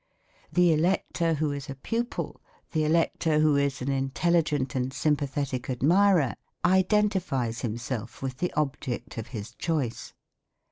The elector who is a pupil, the elector who is an intelligent and sympathetic admirer identifies himself with the object of his choice.